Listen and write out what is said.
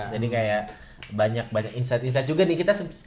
jadi kayak banyak banyak insight insight juga nih kita